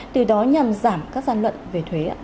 từ đó nhằm giảm các gian luận về thuế